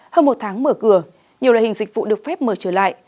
hơn một tháng mở cửa nhiều loại hình dịch vụ được phép mở trở lại